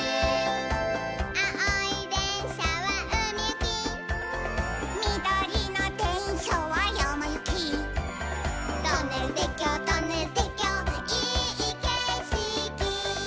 「あおいでんしゃはうみゆき」「みどりのでんしゃはやまゆき」「トンネルてっきょうトンネルてっきょういいけしき」